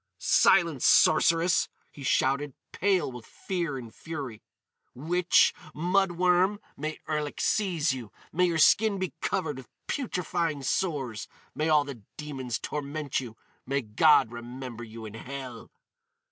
"Silence, sorceress!" he shouted, pale with fear and fury. "Witch! Mud worm! May Erlik seize you! May your skin be covered with putrefying sores! May all the demons torment you! May God remember you in hell!"